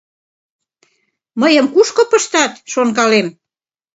«Мыйым кушко пыштат? — шонкалем.